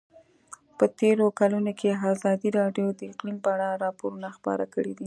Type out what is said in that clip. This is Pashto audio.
په تېرو کلونو کې ازادي راډیو د اقلیم په اړه راپورونه خپاره کړي دي.